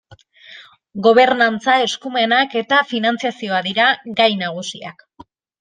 Gobernantza, eskumenak eta finantzazioa dira gai nagusiak.